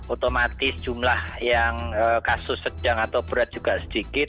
otomatis jumlah yang kasus sedang atau berat juga sedikit